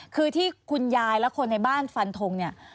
คือที่คุณยายและคนในบ้านฟันทงเนี่ย